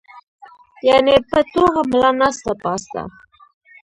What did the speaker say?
يعني پۀ ټوغه ملا ناسته پاسته